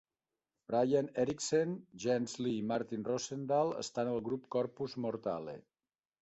Brian Eriksen, Jens Lee i Martin Rosendahl estan al grup Corpus Mortale.